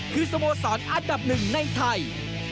คือสโมสรอันดับหนึ่งในไทย